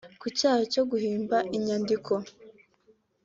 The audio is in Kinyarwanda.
Ku cyaha cyo guhimba inyandiko